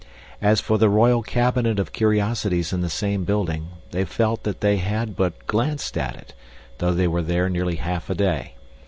As for the royal cabinet of curiosities in the same building, they felt that they had but glanced at it, though they were there nearly half a day.